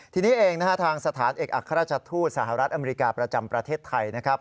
ที่นี่เองทางสถานเอกอักษรสถุสหรัฐอเมริกาประจำประเทศไทยนะครับ